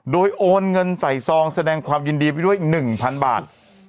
โดยโอนเงินใส่ซองแสดงความยินดีไปด้วย๑๐๐๐บาท